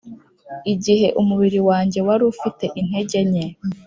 igihe umubiri wanjye wari ufite intege nke